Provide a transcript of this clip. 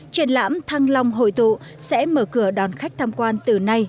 triển lãm thăng long hội tụ sẽ mở cửa đón khách tham quan từ nay